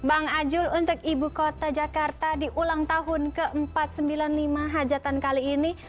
bang ajul untuk ibu kota jakarta di ulang tahun ke empat ratus sembilan puluh lima hajatan kali ini